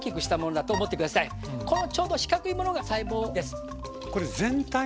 このちょうど四角いものが細胞です。